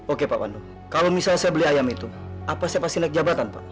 oke pak pandu kalau misalnya saya beli ayam itu apa saya pasti naik jabatan pak